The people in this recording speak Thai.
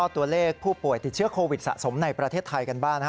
ตัวเลขผู้ป่วยติดเชื้อโควิดสะสมในประเทศไทยกันบ้าง